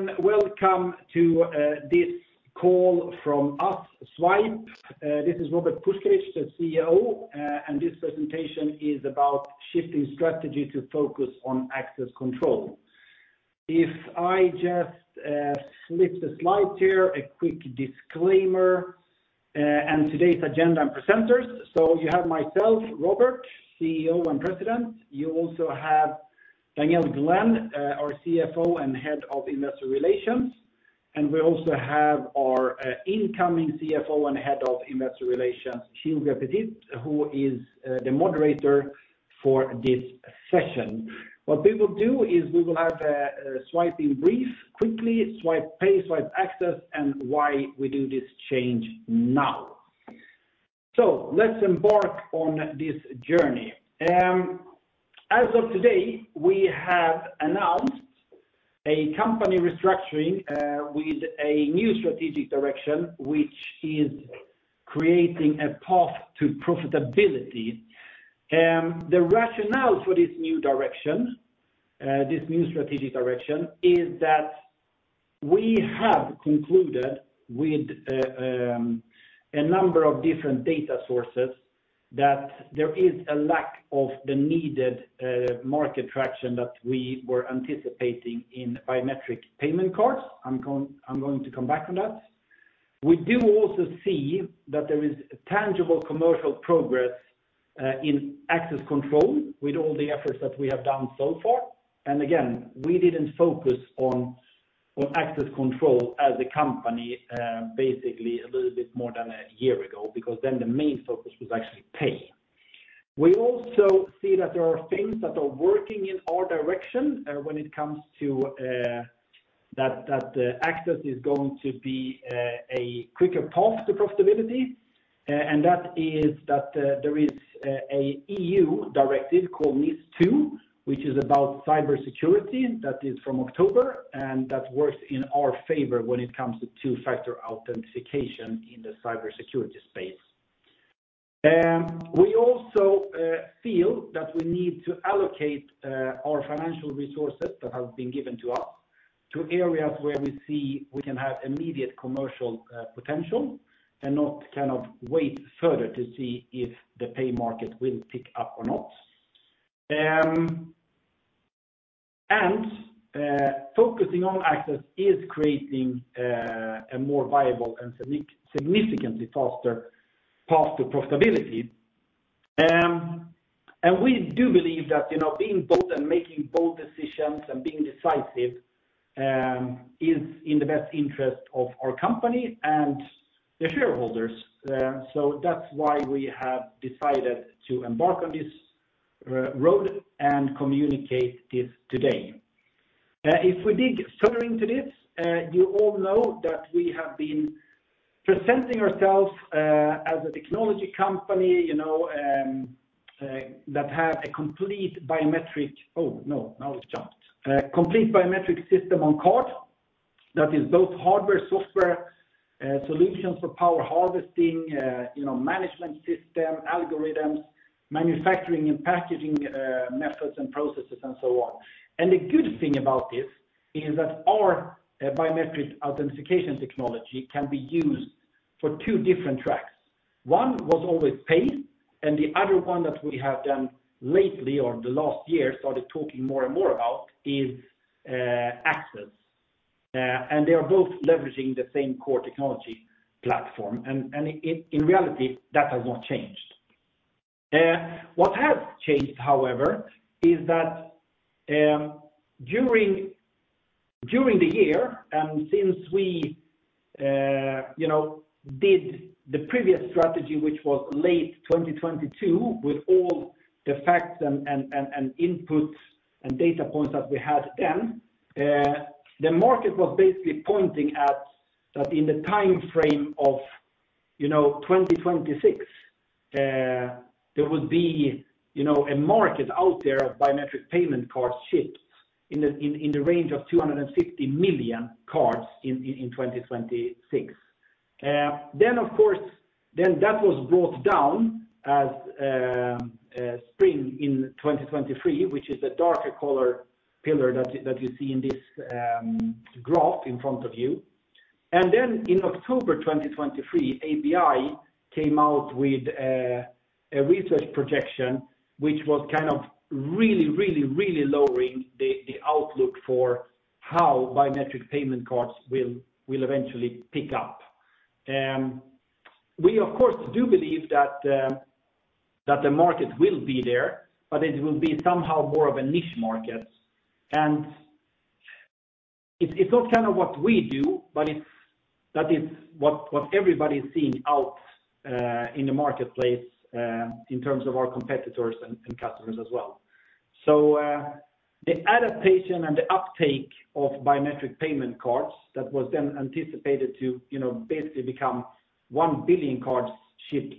Hello, and welcome to this call from us, Zwipe. This is Robert Puskaric, the CEO, and this presentation is about shifting strategy to focus on access control. If I just flip the slide here, a quick disclaimer, and today's agenda and presenters. So, you have myself, Robert, CEO and President. You also have Danielle Glenn, our CFO and head of investor relations, and we also have our incoming CFO and head of investor relations, Hugo Petit, who is the moderator for this session. What we will do is we will have a Zwipe in brief, quickly, Zwipe Pay, Zwipe Access, and why we do this change now. So let's embark on this journey. As of today, we have announced a company restructuring with a new strategic direction, which is creating a path to profitability. The rationale for this new direction, this new strategic direction, is that we have concluded with a number of different data sources that there is a lack of the needed market traction that we were anticipating in biometric payment cards. I'm going to come back on that. We do also see that there is tangible commercial progress in access control with all the efforts that we have done so far. And again, we didn't focus on access control as a company, basically a little bit more than a year ago, because then the main focus was actually pay. We also see that there are things that are working in our direction, when it comes to access being a quicker path to profitability, and that is that there is an EU directive called NIS2, which is about cybersecurity. That is from October, and that works in our favor when it comes to two-factor authentication in the cybersecurity space. We also feel that we need to allocate our financial resources that have been given to us to areas where we see we can have immediate commercial potential and not kind of wait further to see if the pay market will pick up or not. And focusing on access is creating a more viable and significantly faster path to profitability. We do believe that, you know, being bold and making bold decisions and being decisive is in the best interest of our company and the shareholders. So that's why we have decided to embark on this road and communicate this today. If we dig further into this, you all know that we have been presenting ourselves as a technology company, you know, that have a complete biometric system on card. That is both hardware, software, solutions for power harvesting, you know, management system, algorithms, manufacturing and packaging methods and processes, and so on. And the good thing about this is that our biometric authentication technology can be used for two different tracks. One was always pay, and the other one that we have done lately, or the last year, started talking more and more about, is access. And they are both leveraging the same core technology platform, and in reality, that has not changed. What has changed, however, is that during the year, and since we you know did the previous strategy, which was late 2022, with all the facts and inputs and data points that we had then, the market was basically pointing at that in the time frame of, you know, 2026, there would be a market out there of biometric payment cards shipped in the range of 250 million cards in 2026. Then, of course, then that was brought down as spring 2023, which is a darker color pillar that you, that you see in this graph in front of you. And then in October 2023, ABI came out with a research projection, which was kind of really, really, really lowering the outlook for how biometric payment cards will eventually pick up. We, of course, do believe that the market will be there, but it will be somehow more of a niche market. And it's not kind of what we do, but it's that is what everybody is seeing out in the marketplace in terms of our competitors and customers as well. So, the adaptation and the uptake of biometric payment cards that was then anticipated to, you know, basically become 1 billion cards shipped,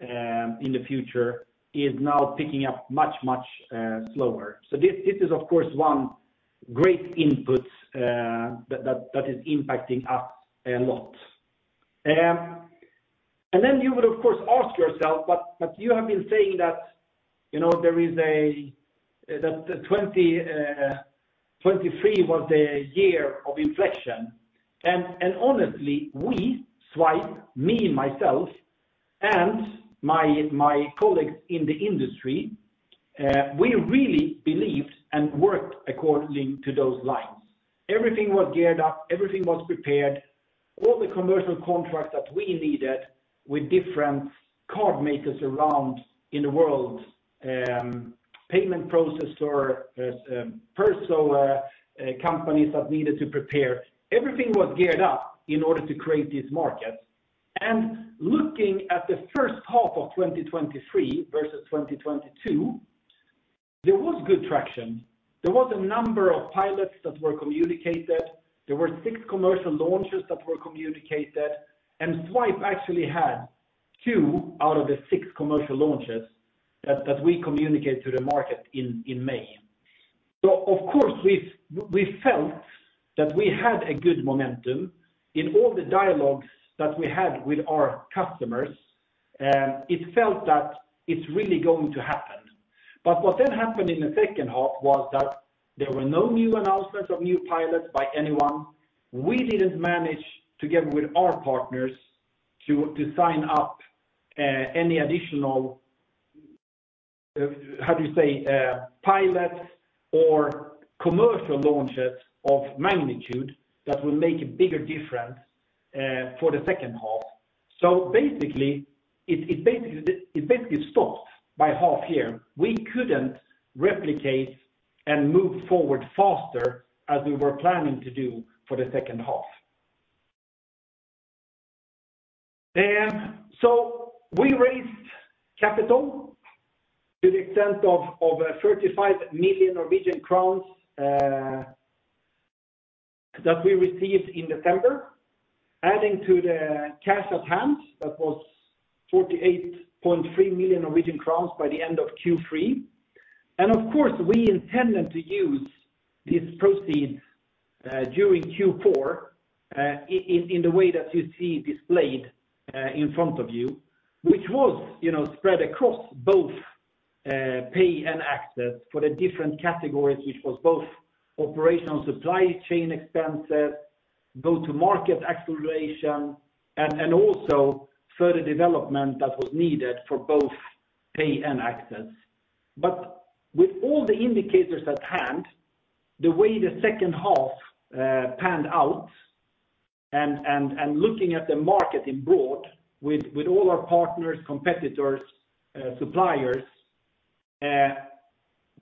in the future, is now picking up much, much, slower. So this is, of course, one great input, that is impacting us a lot. And then you would of course ask yourself, but, but you have been saying that, you know, there is a, that the 2023 was the year of inflection. And honestly, we, Zwipe, me, myself, and my colleagues in the industry, we really believed and worked accordingly to those lines. Everything was geared up, everything was prepared, all the commercial contracts that we needed with different card makers around in the world, payment processor, companies that needed to prepare, everything was geared up in order to create this market. Looking at the first half of 2023 versus 2022, there was good traction. There was a number of pilots that were communicated, there were six commercial launches that were communicated, and Zwipe actually had two out of the six commercial launches that we communicated to the market in May. So of course, we felt that we had a good momentum in all the dialogues that we had with our customers, it felt that it's really going to happen. But what then happened in the second half was that there were no new announcements of new pilots by anyone. We didn't manage, together with our partners, to sign up any additional pilots or commercial launches of magnitude that will make a bigger difference for the second half. So basically, it basically stopped by half year. We couldn't replicate and move forward faster as we were planning to do for the second half. So we raised capital to the extent of 35 million Norwegian crowns that we received in December, adding to the cash at hand, that was 48.3 million Norwegian crowns by the end of Q3. And of course, we intended to use these proceeds during Q4 in the way that you see displayed in front of you, which was, you know, spread across both Pay and Access for the different categories, which was both operational supply chain expenses, go-to-market acceleration, and also further development that was needed for both Pay and Access. But with all the indicators at hand, the way the second half panned out and looking at the market in broad with all our partners, competitors, suppliers,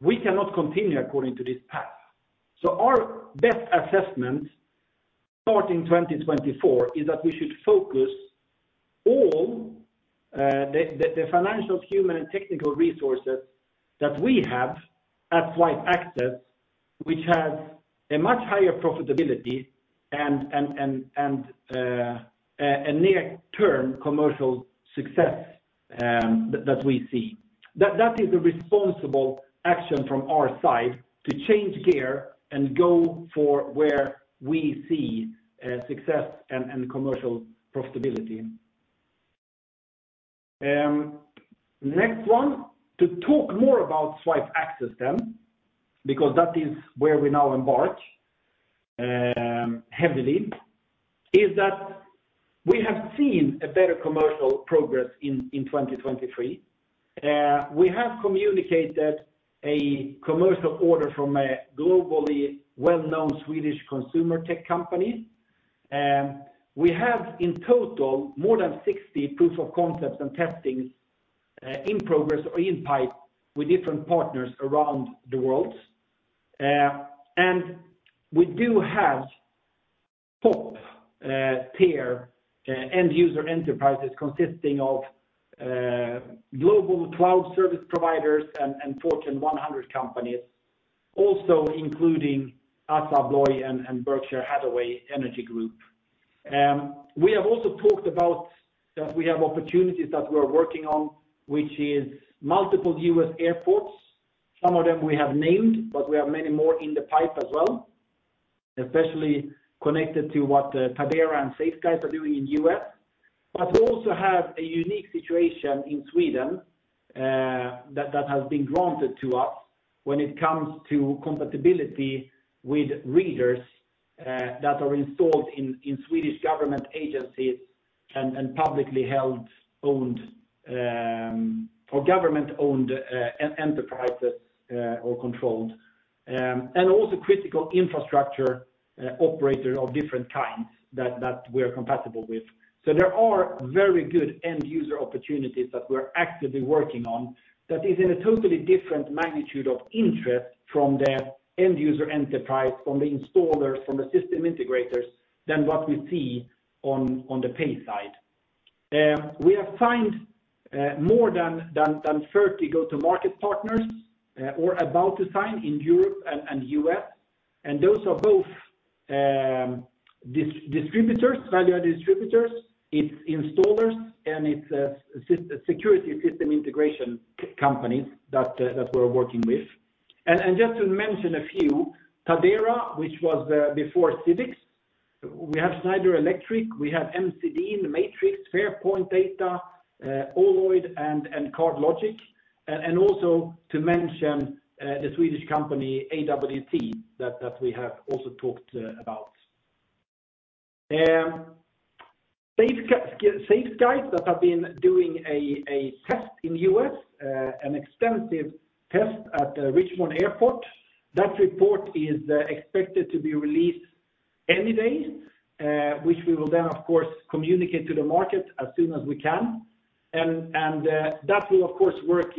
we cannot continue according to this path. So our best assessment starting 2024 is that we should focus all the financial, human, and technical resources that we have at Zwipe Access, which has a much higher profitability and a near-term commercial success that we see. That is a responsible action from our side to change gear and go for where we see success and commercial profitability. Next one, to talk more about Zwipe Access then, because that is where we now embark heavily, is that we have seen a better commercial progress in 2023. We have communicated a commercial order from a globally well-known Swedish consumer tech company. We have, in total, more than 60 proof of concepts and testings in progress or in pipe with different partners around the world. And we do have top tier end user enterprises consisting of global cloud service providers and Fortune 100 companies, also including ASSA ABLOY and Berkshire Hathaway Energy Group. We have also talked about that we have opportunities that we are working on, which is multiple U.S. airports. Some of them we have named, but we have many more in the pipe as well, especially connected to what Tadera and Safeguard are doing in U.S. But we also have a unique situation in Sweden that has been granted to us when it comes to compatibility with readers that are installed in Swedish government agencies and publicly held, owned, or government-owned enterprises or controlled and also critical infrastructure operators of different kinds that we're compatible with. So there are very good end user opportunities that we're actively working on that is in a totally different magnitude of interest from the end user enterprise, from the installers, from the system integrators, than what we see on the pay side. We have signed more than 30 go-to-market partners, or about to sign in Europe and US, and those are both distributors, value add distributors, it's installers, and it's security system integration companies that we're working with. And just to mention a few, Tadera, which was before Civix, we have Schneider Electric, we have M.C. Dean, Matrix, Fair Quant Data, Oloid, and CardLogix, and also to mention the Swedish company, AWT, that we have also talked about. Safeguard that has been doing a test in the U.S., an extensive test at Richmond Airport. That report is expected to be released any day, which we will then, of course, communicate to the market as soon as we can. And that will, of course, work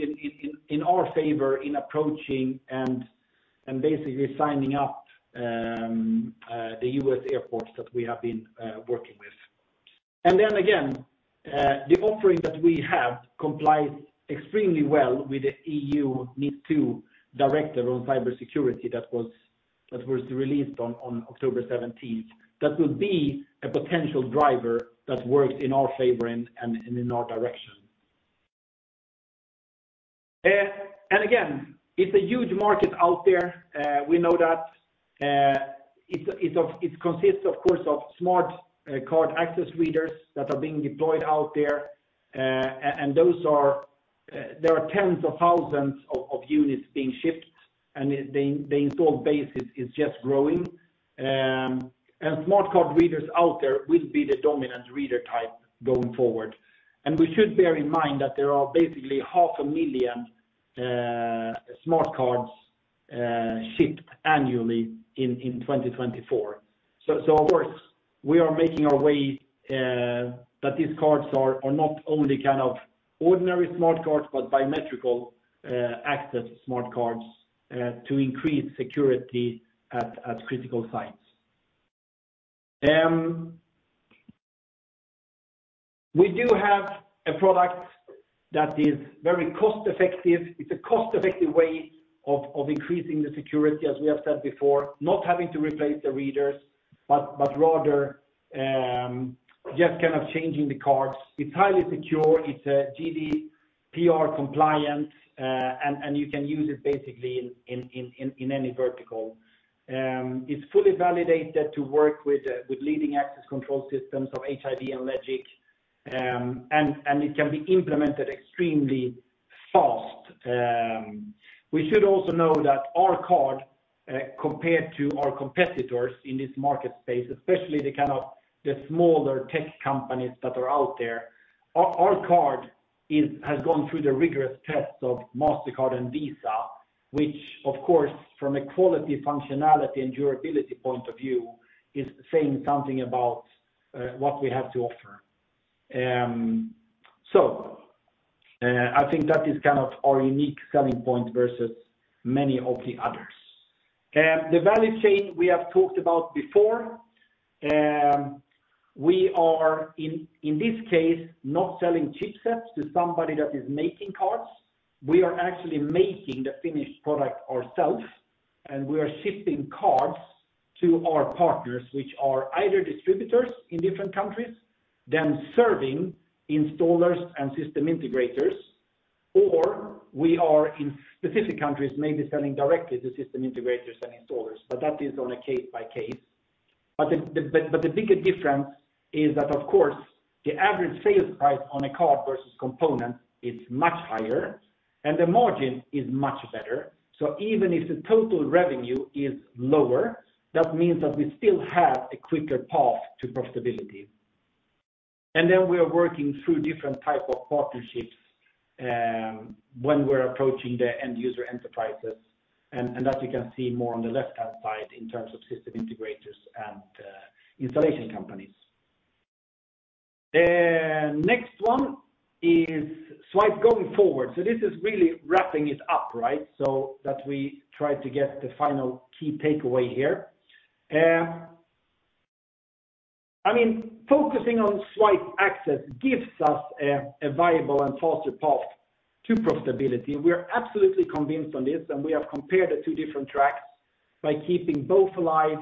in our favor in approaching and basically signing up the U.S. airports that we have been working with. And then again, the offering that we have complies extremely well with the EU NIS2 Directive on cybersecurity that was released on October seventeenth. That will be a potential driver that works in our favor and in our direction. And again, it's a huge market out there, we know that. It consists, of course, of smart card access readers that are being deployed out there. And there are tens of thousands of units being shipped, and the installed base is just growing. And smart card readers out there will be the dominant reader type going forward. And we should bear in mind that there are basically 500,000 smart cards shipped annually in 2024. So, of course, we are making our way that these cards are not only kind of ordinary smart cards, but biometric access smart cards to increase security at critical sites. We do have a product that is very cost-effective. It's a cost-effective way of increasing the security, as we have said before, not having to replace the readers, but rather, just kind of changing the cards. It's highly secure, it's GDPR compliant, and you can use it basically in any vertical. It's fully validated to work with leading access control systems of HID and LEGIC, and it can be implemented extremely fast. We should also know that our card, compared to our competitors in this market space, especially the kind of the smaller tech companies that are out there, our card has gone through the rigorous tests of Mastercard and Visa, which of course, from a quality, functionality, and durability point of view, is saying something about what we have to offer. So, I think that is kind of our unique selling point versus many of the others. The value chain we have talked about before, we are, in this case, not selling chipsets to somebody that is making cards. We are actually making the finished product ourselves, and we are shipping cards to our partners, which are either distributors in different countries, then serving installers and system integrators, or we are in specific countries, maybe selling directly to system integrators and installers, but that is on a case-by-case basis. But the bigger difference is that, of course, the average sales price on a card versus component is much higher, and the margin is much better. So even if the total revenue is lower, that means that we still have a quicker path to profitability. And then we are working through different type of partnerships, when we're approaching the end user enterprises, and that you can see more on the left-hand side in terms of system integrators and installation companies. Next one is Zwipe going forward. So this is really wrapping it up, right? So that we try to get the final key takeaway here. I mean, focusing on Zwipe Access gives us a viable and faster path to profitability. We are absolutely convinced on this, and we have compared the two different tracks by keeping both alive,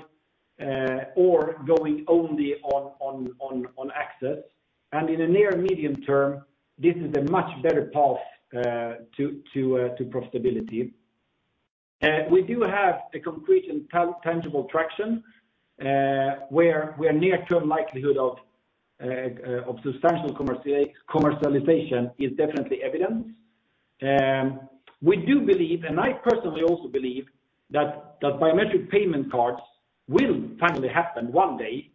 or going only on access. And in the near medium term, this is a much better path to profitability. We do have a complete and tangible traction, where we are near-term likelihood of substantial commercialization is definitely evident. We do believe, and I personally also believe, that biometric payment cards will finally happen one day.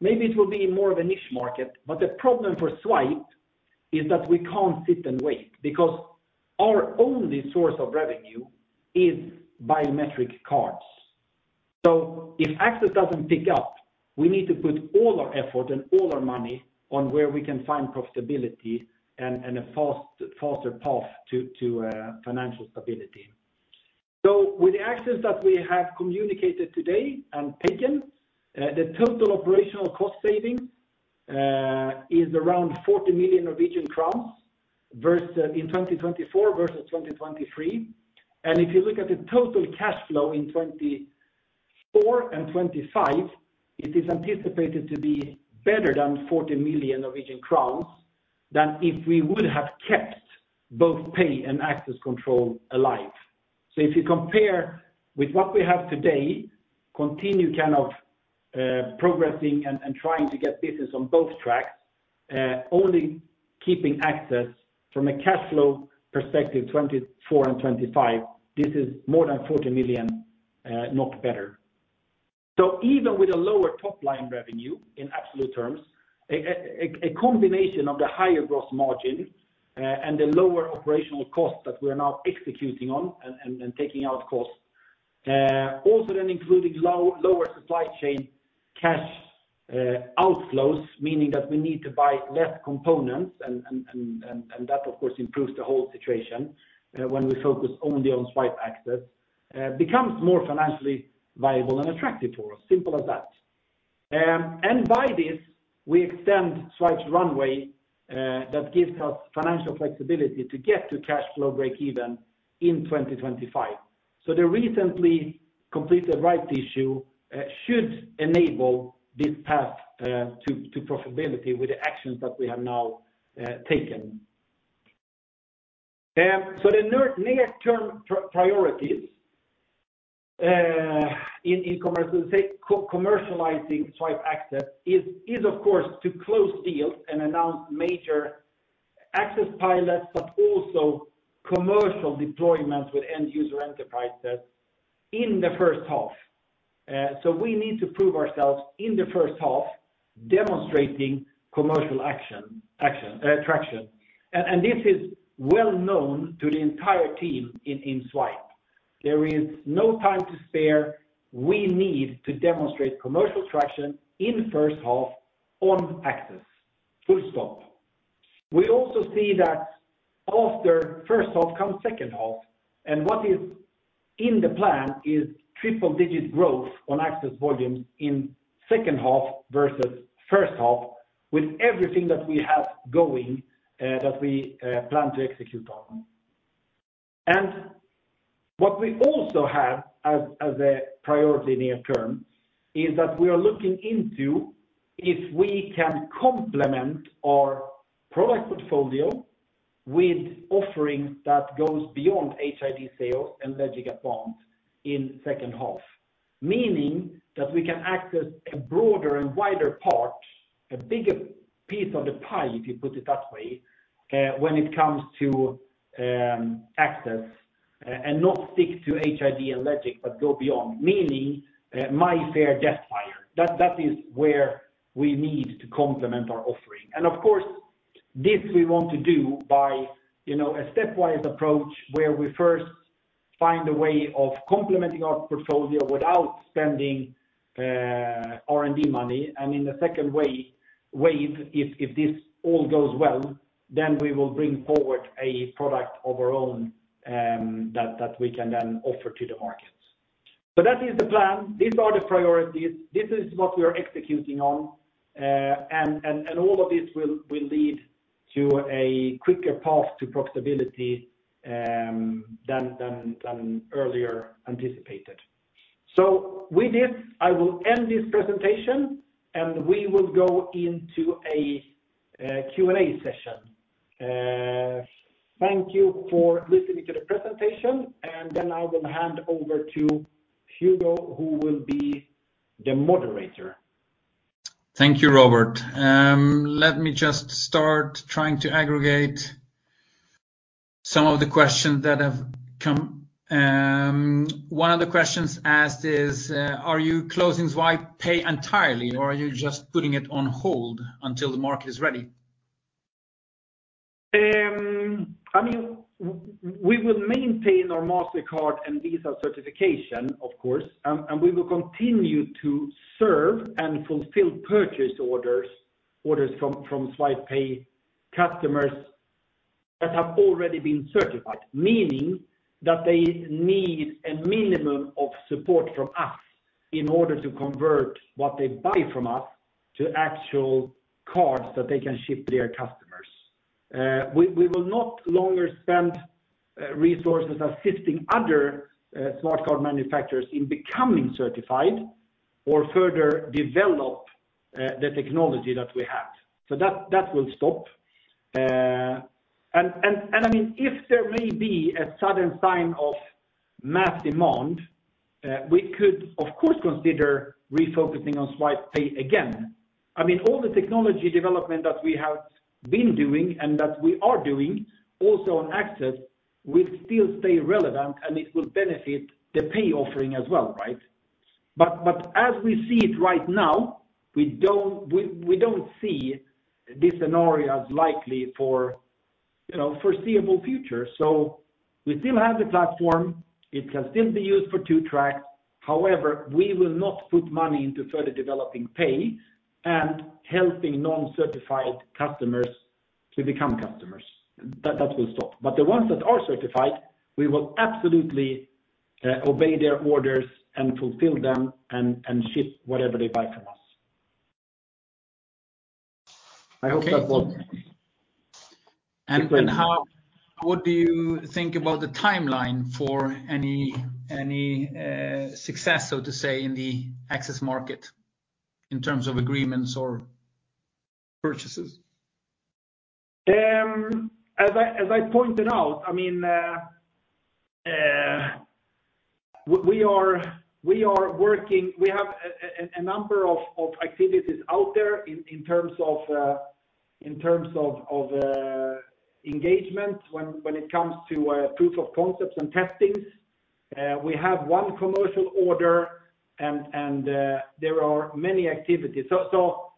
Maybe it will be more of a niche market, but the problem for Zwipe is that we can't sit and wait because our only source of revenue is biometric cards. So if access doesn't pick up, we need to put all our effort and all our money on where we can find profitability and a fast, faster path to financial stability. So with the access that we have communicated today and taken, the total operational cost saving is around 40 million Norwegian crowns, versus in 2024, versus 2023. If you look at the total cash flow in 2024 and 2025, it is anticipated to be better than 40 million Norwegian crowns than if we would have kept both pay and access control alive. So if you compare with what we have today, continue kind of progressing and trying to get business on both tracks, only keeping access from a cash flow perspective, 2024 and 2025, this is more than 40 million, not better. So even with a lower top line revenue in absolute terms, a combination of the higher gross margin, and the lower operational cost that we are now executing on and taking out costs, also then including lower supply chain cash outflows, meaning that we need to buy less components and that, of course, improves the whole situation, when we focus only on Zwipe Access, becomes more financially viable and attractive for us, simple as that. And by this, we extend Zwipe's runway, that gives us financial flexibility to get to cash flow break even in 2025. So the recently completed rights issue should enable this path to profitability with the actions that we have now taken. So the near-term priorities in commercializing Zwipe Access is of course to close deals and announce major access pilots, but also commercial deployments with end user enterprises in the first half. So we need to prove ourselves in the first half, demonstrating commercial action traction. And this is well known to the entire team in Zwipe. There is no time to spare. We need to demonstrate commercial traction in first half on access, full stop. We also see that after first half comes second half, and what is in the plan is triple digit growth on access volumes in second half versus first half, with everything that we have going that we plan to execute on. And what we also have as a priority near term is that we are looking into if we can complement our product portfolio with offerings that goes beyond HID and LEGIC Advant in second half, meaning that we can access a broader and wider part, a bigger piece of the pie, if you put it that way, when it comes to access, and not stick to HID and LEGIC, but go beyond, meaning MIFARE DESFire. That is where we need to complement our offering. And of course, this we want to do by, you know, a stepwise approach, where we first find a way of complementing our portfolio without spending R&D money. In the second wave, if this all goes well, then we will bring forward a product of our own, that we can then offer to the markets. So that is the plan, these are the priorities, this is what we are executing on, and all of this will lead to a quicker path to profitability than earlier anticipated. So with this, I will end this presentation, and we will go into a Q&A session. Thank you for listening to the presentation, and then I will hand over to Hugo, who will be the moderator. Thank you, Robert. Let me just start trying to aggregate some of the questions that have come. One of the questions asked is, are you closing Zwipe Pay entirely, or are you just putting it on hold until the market is ready? I mean, we will maintain our Mastercard and Visa certification, of course, and we will continue to serve and fulfill purchase orders from Zwipe Pay customers that have already been certified, meaning that they need a minimum of support from us in order to convert what they buy from us to actual cards that they can ship to their customers. We will no longer spend resources assisting other smart card manufacturers in becoming certified or further develop the technology that we have. So, that will stop. And I mean, if there may be a sudden sign of mass demand, we could, of course, consider refocusing on Zwipe Pay again. I mean, all the technology development that we have been doing and that we are doing also on access, will still stay relevant, and it will benefit the pay offering as well, right? But as we see it right now, we don't see this scenario as likely for, you know, foreseeable future. So we still have the platform, it can still be used for two tracks. However, we will not put money into further developing pay and helping non-certified customers to become customers. That will stop. But the ones that are certified, we will absolutely obey their orders and fulfill them and ship whatever they buy from us. I hope that will. And how, what do you think about the timeline for any success, so to say, in the access market in terms of agreements or purchases? As I pointed out, I mean, we are working. We have a number of activities out there in terms of engagement when it comes to proof of concepts and testings. We have one commercial order, and there are many activities. So,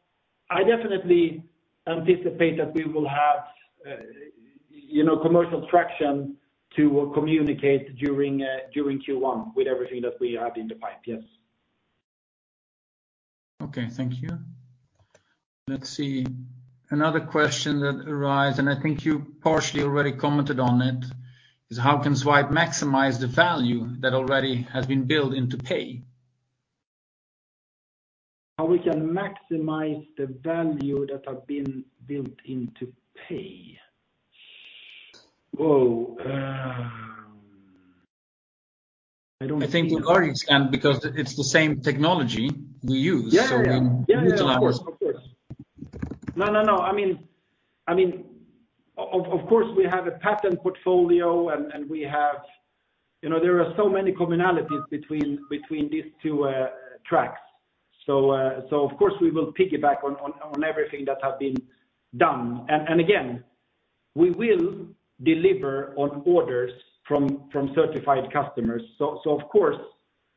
I definitely anticipate that we will have, you know, commercial traction to communicate during Q1 with everything that we have in the pipe. Yes. Okay, thank you. Let's see. Another question that arise, and I think you partially already commented on it, is: How can Zwipe maximize the value that already has been built into pay? How we can maximize the value that have been built into Pay? Whoa, I don't think- I think you already understand, because it's the same technology we use- Yeah, yeah. We utilize. Of course. No, no, no. I mean, of course, we have a patent portfolio, and we have—you know, there are so many commonalities between these two tracks. So, of course, we will piggyback on everything that have been done. And again, we will deliver on orders from certified customers. So, of course,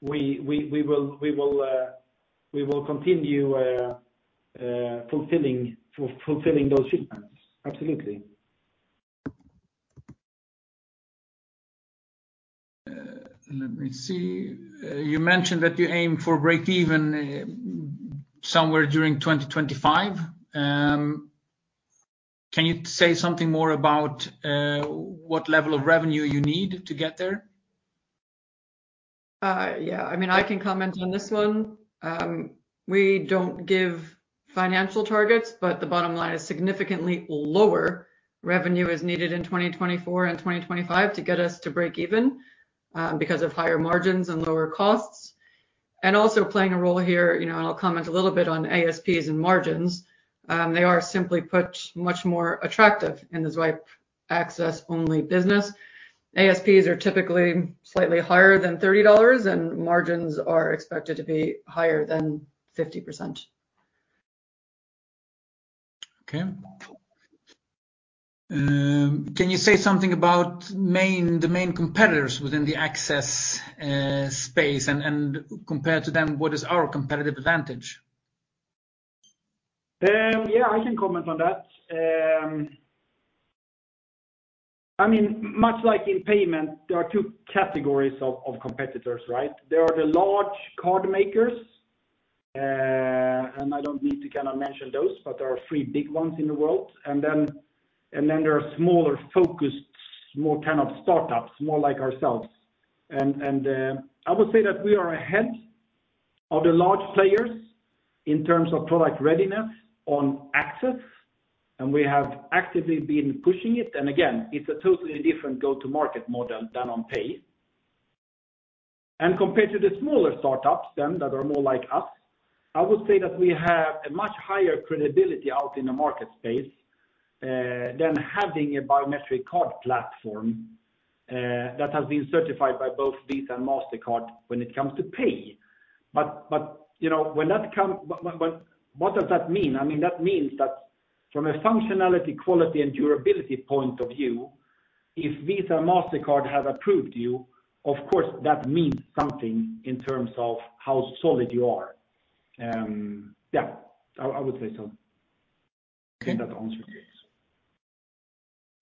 we will continue fulfilling those shipments. Absolutely. Let me see. You mentioned that you aim for break even somewhere during 2025. Can you say something more about what level of revenue you need to get there? Yeah, I mean, I can comment on this one. We don't give financial targets, but the bottom line is significantly lower. Revenue is needed in 2024 and 2025 to get us to break even, because of higher margins and lower costs. Also playing a role here, you know, and I'll comment a little bit on ASPs and margins. They are simply put, much more attractive in the Zwipe Access-only business. ASPs are typically slightly higher than $30, and margins are expected to be higher than 50%. Okay. Can you say something about the main competitors within the access space, and compared to them, what is our competitive advantage? Yeah, I can comment on that. I mean, much like in payment, there are two categories of competitors, right? There are the large card makers, and I don't need to kinda mention those, but there are three big ones in the world. And then there are smaller, focused, more kind of startups, more like ourselves. And I would say that we are ahead of the large players in terms of product readiness on access, and we have actively been pushing it. And again, it's a totally different go-to-market model than on pay. And compared to the smaller startups that are more like us, I would say that we have a much higher credibility out in the market space than having a biometric card platform that has been certified by both Visa and Mastercard when it comes to pay. But what does that mean? I mean, that means that from a functionality, quality, and durability point of view, if Visa, Mastercard have approved you, of course, that means something in terms of how solid you are. Yeah, I would say so. Okay. That answers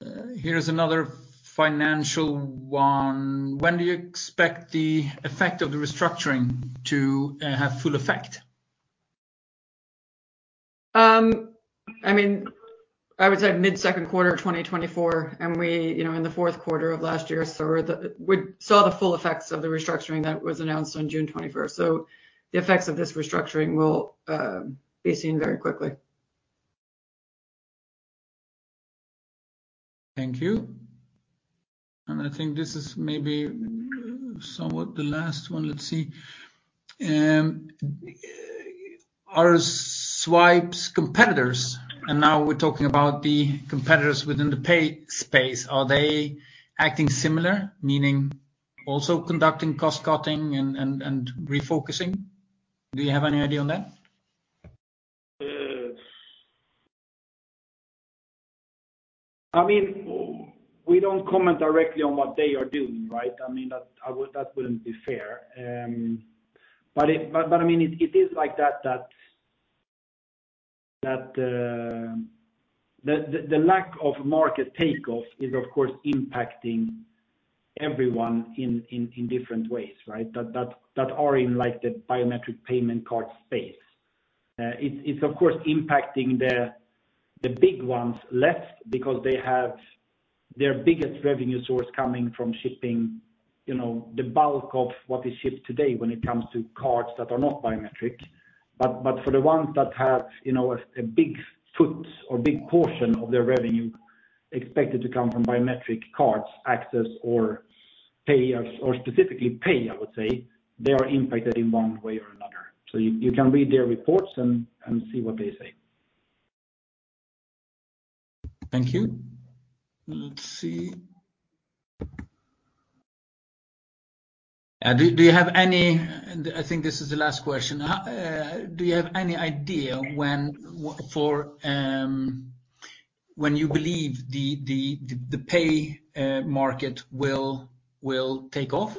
it. Here's another financial one. When do you expect the effect of the restructuring to have full effect? I mean, I would say mid-second quarter of 2024, and we, you know, in the fourth quarter of last year, saw the full effects of the restructuring that was announced on June 21. So the effects of this restructuring will be seen very quickly. Thank you. And I think this is maybe somewhat the last one. Let's see. Are Zwipe's competitors, and now we're talking about the competitors within the pay space, acting similar, meaning also conducting cost cutting and, and, and refocusing? Do you have any idea on that? I mean, we don't comment directly on what they are doing, right? I mean, that wouldn't be fair. But I mean, it is like that, the lack of market takeoff is, of course, impacting everyone in different ways, right? That are in like the biometric payment card space. It's, of course, impacting the big ones less because they have their biggest revenue source coming from shipping, you know, the bulk of what is shipped today when it comes to cards that are not biometric. But for the ones that have, you know, a big foot or big portion of their revenue expected to come from biometric cards, access or pay, or specifically pay, I would say, they are impacted in one way or another. So you can read their reports and see what they say. Thank you. Let's see. Do you have any—and I think this is the last question. Do you have any idea when you believe the pay market will take off?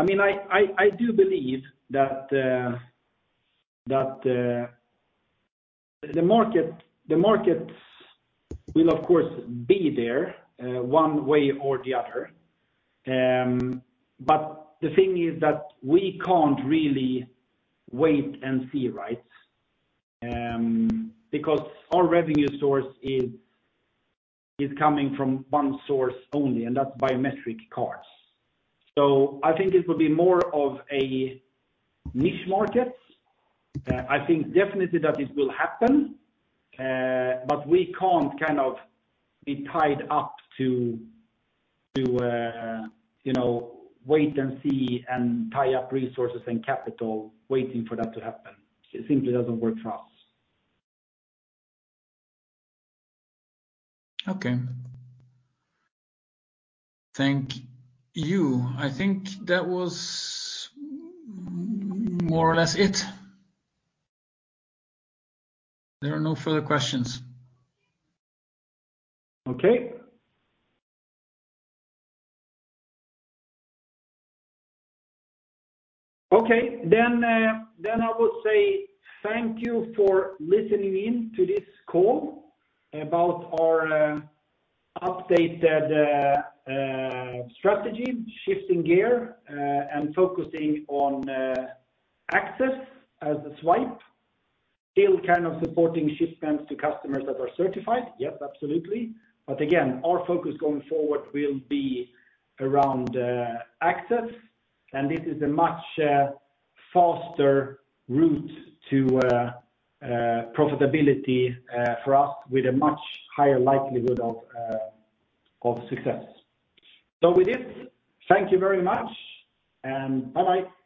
I mean, I do believe that the market will, of course, be there, one way or the other. But the thing is that we can't really wait and see, right? Because our revenue source is coming from one source only, and that's biometric cards. So I think it will be more of a niche market. I think definitely that it will happen, but we can't kind of be tied up to, you know, wait and see and tie up resources and capital waiting for that to happen. It simply doesn't work for us. Okay. Thank you. I think that was more or less it. There are no further questions. Okay. Okay, then, then I will say thank you for listening in to this call about our updated strategy, shifting gear, and focusing on access at Zwipe. Still kind of supporting shipments to customers that are certified, yes, absolutely. But again, our focus going forward will be around access, and this is a much faster route to profitability for us, with a much higher likelihood of success. So with this, thank you very much, and bye-bye!